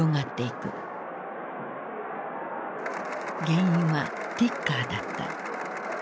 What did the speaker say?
原因はティッカーだった。